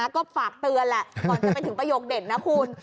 ก็ฝากเตือนแหละก่อนจะไปถึงประโยคเด่นนะคุณ